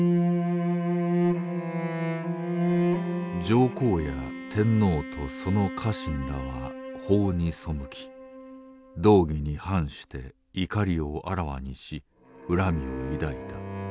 「上皇や天皇とその家臣らは法に背き道義に反して怒りをあらわにし恨みを抱いた。